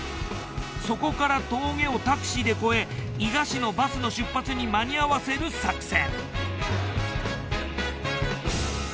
そこから峠をタクシーで越え伊賀市のバスの出発に間に合わせる作戦。